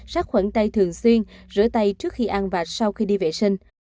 sát khuẩn tay thường xuyên rửa tay trước khi ăn và sau khi đi vệ sinh